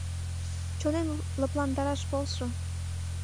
Чонем лыпландараш полшо.